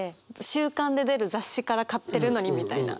週間で出る雑誌から買ってるのにみたいな。